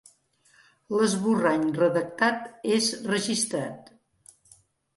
L’esborrany redactat és registrat.